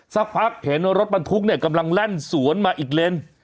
ซักพักเห็นว่ารถปันทึกเนี่ยกำลังแล่นสวนมาอีกนิด